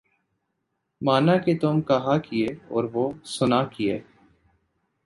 مانا کہ تم کہا کیے اور وہ سنا کیے